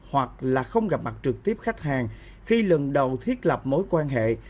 hoặc là không gặp mặt trực tiếp khách hàng khi lần đầu thiết lập mối quan hệ